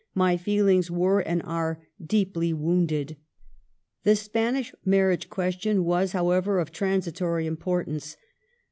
... My feelings were and are deeply wounded." '^ The Spanish marriage question was, however, of transitory importance.